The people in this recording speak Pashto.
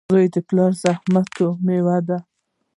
• زوی د پلار د زحمتونو مېوه وي.